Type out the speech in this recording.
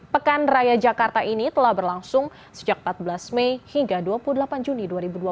pekan raya jakarta ini telah berlangsung sejak empat belas mei hingga dua puluh delapan juni dua ribu dua puluh